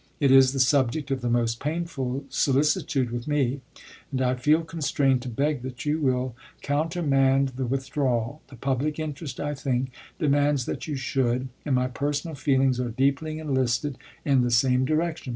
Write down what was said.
It is the subject of the most painful solicitude with me ; and I feel constrained to beg that you will countermand the withdrawal. The public interest, I think, demands that you should ; and my personal feelings are deeply enlisted in the same direction.